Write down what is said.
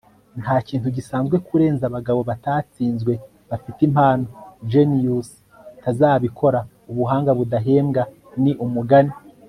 ntakintu gisanzwe kurenza abagabo batatsinzwe bafite impano. genius ntazabikora; ubuhanga budahembwa ni umugani